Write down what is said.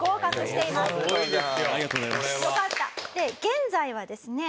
現在はですね。